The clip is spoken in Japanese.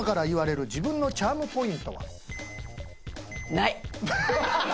ない。